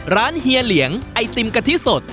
เฮียเหลียงไอติมกะทิสด